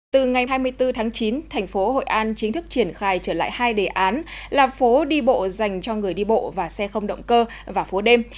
từ ngày hai mươi bốn tháng chín thành phố hội an chính thức triển khai trở lại hai đề án là phố đi bộ dành cho người đi bộ và xe không động cơ và phố đêm